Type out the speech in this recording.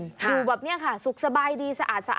อยู่แบบนี้ค่ะสุขสบายดีสะอาดสะอา